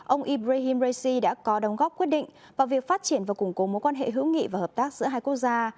ông ibrahim raisi đã có đóng góp quyết định vào việc phát triển và củng cố mối quan hệ hữu nghị và hợp tác giữa hai quốc gia